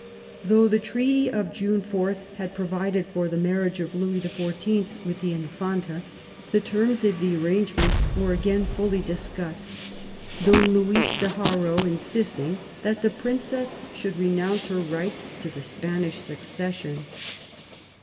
Though the treaty of June 4 had provided for the marriage of Louis XIV. with the Infanta, the terms of the arrangement were again fully discussed, Don Luis de Haro insisting that the princess should renounce her rights to the Spanish succession.